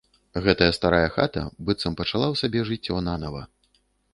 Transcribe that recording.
Гэтая старая хата быццам пачала ў сабе жыццё нанава.